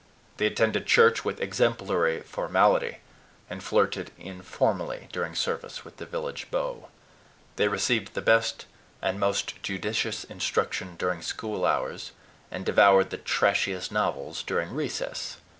They attended church with exemplary formality, and flirted informally during service with the village beaux. They received the best and most judicious instruction during school hours, and devoured the trashiest novels during recess.